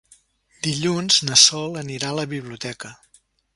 Dilluns na Sol anirà a la biblioteca.